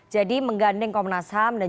jadi menggandeng komnas ham dan